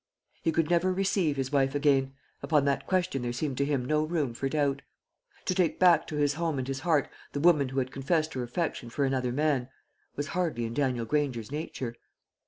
He could never receive his wife again upon that question there seemed to him no room for doubt. To take back to his home and his heart the woman who had confessed her affection for another man, was hardly in Daniel Granger's nature.